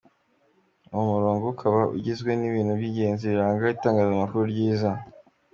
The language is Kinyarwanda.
Uwo murongo ukaba ugizwe n’ibintu by’ingenzi biranga Itangazamakuru ryiza :.